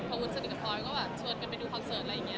พอวุ้นสนิทกับพลอยก็แบบชวนกันไปดูคอนเสิร์ตอะไรอย่างนี้